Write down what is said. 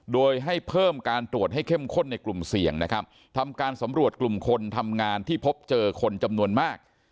โดยให้เพิ่มการตรวจให้เข้มข้นในกลุ่มเสี่ยงนะครับทำการสำรวจกลุ่มคนทำงานที่พบเจอคนจำนวนมาก